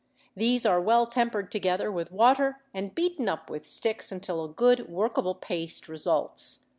These are well tempered together with water and beaten up with sticks until a good workable paste results.